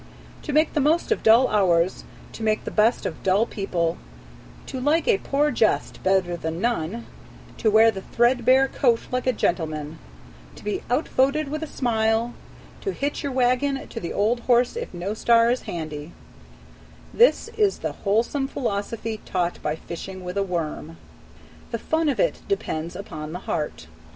To make the most of dull hours, to make the best of dull people, to like a poor jest better than none, to wear the threadbare coat like a gentleman, to be outvoted with a smile, to hitch your wagon to the old horse if no star is handy, this is the wholesome philosophy taught by fishing with a worm. The fun of it depends upon the heart.